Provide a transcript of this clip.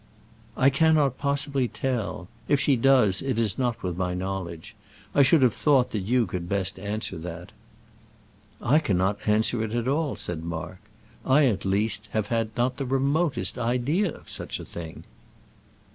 "I cannot possibly tell. If she does it is not with my knowledge. I should have thought that you could best answer that." "I cannot answer it at all," said Mark. "I, at least, have had no remotest idea of such a thing."